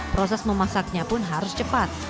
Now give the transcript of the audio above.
proses memasaknya pun harus cepat